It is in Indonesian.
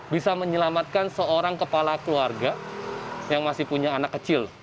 bisa menyelamatkan seorang kepala keluarga yang masih punya anak kecil